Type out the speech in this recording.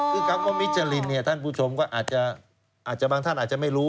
เพราะฉะนั้นผู้ชมก็อาจจะบางท่านอาจจะไม่รู้